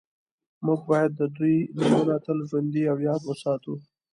موږ باید د دوی نومونه تل ژوندي او یاد وساتو